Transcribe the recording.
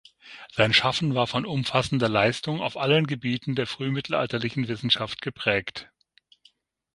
Sein Schaffen war von umfassender Leistung auf allen Gebieten der frühmittelalterlichen Wissenschaft geprägt.